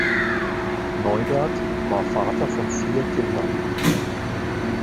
Neubert war Vater von vier Kindern.